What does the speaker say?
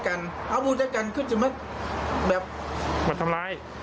มีพ่อของวัยรุ่นคนนึงที่บาดเจ็บนะครับ